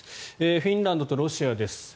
フィンランドとロシアです。